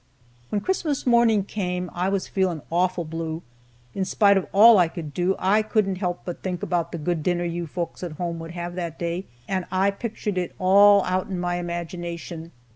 "When Christmas morning came I was feeling awful blue. In spite of all I could do, I couldn't help but think about the good dinner you folks at home would have that day, and I pictured it all out in my imagination.